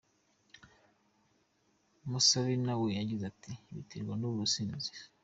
Musabe na we yagize ati “Biterwa n’ubusinzi.